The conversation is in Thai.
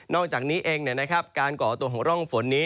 อกจากนี้เองการก่อตัวของร่องฝนนี้